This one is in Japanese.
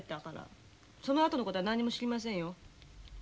そのあとの事は何にも知りませんよ。